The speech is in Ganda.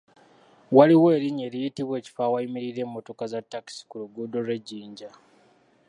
Waliwo erinnya eriyitibwa ekifo awayimirira emmotoka za takisi ku luguudo lw’ejjinja.